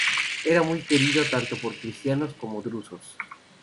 Él era muy querido tanto por cristianos como drusos.